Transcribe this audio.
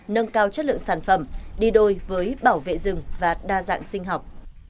nâng cao chất lượng sản phẩm đi đôi với bảo vệ rừng và đa dạng sinh học